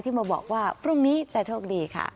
มาบอกว่าพรุ่งนี้จะโชคดีค่ะ